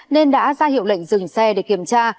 nên đã ra hiệu lệnh dừng xe để kiểm tra